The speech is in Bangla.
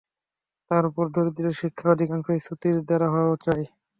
তারপর দরিদ্রদের শিক্ষা অধিকাংশই শ্রুতির দ্বারা হওয়া চাই।